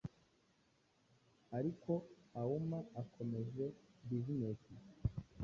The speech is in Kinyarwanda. ariko auma akomeje business ye